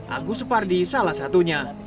agus separdi salah satunya